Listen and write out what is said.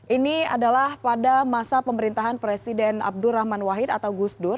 ini adalah pada masa pemerintahan presiden abdurrahman wahid atau gusdur